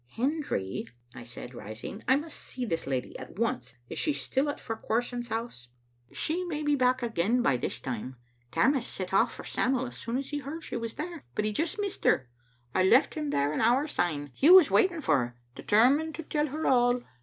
" "Hendry," I said, rising, "I must see this lady at once. Is she still at Farquharson's house?" 31 Digitized by VjOOQ IC a» Vb€ xutle Afntotev. " She may be back again by this time. Tammas set off for Sam*rs as soon as he heard she was there, but he just missed her. I left him there an hour syne. He was waiting for her, determined to tell her all."